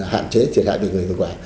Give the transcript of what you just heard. hạn chế thiệt hại bệnh người thực quả